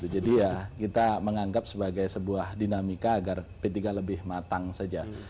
jadi ya kita menganggap sebagai sebuah dinamika agar p tiga lebih matang saja